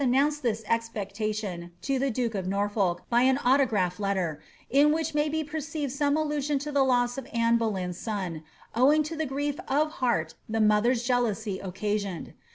announced this expecta tion to the duke of Norfolk by an autograph letter, in which may be perceived some allusion to the loss of Anne Boleyn's son, owing to the grief of heart the mother's jealousy occasioned.